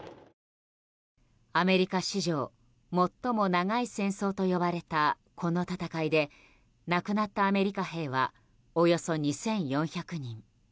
アメリカ史上最も長い戦争と呼ばれたこの戦いで亡くなったアメリカ兵はおよそ２４００人。